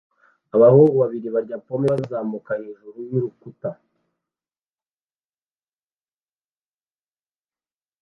Abahungu babiri barya pome bazamuka hejuru y'urukuta